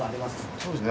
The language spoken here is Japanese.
そうですね